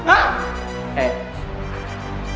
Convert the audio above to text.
eh kulitku memang beracun